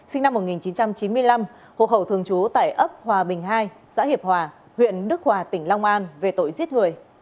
sinh năm một nghìn chín trăm chín mươi năm hộ khẩu thường trú tại ấp hòa bình hai xã hiệp hòa huyện đức hòa tỉnh long an về tội giết người